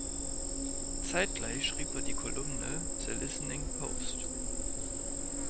Zeitgleich schrieb er die Kolumne „The Listening Post“.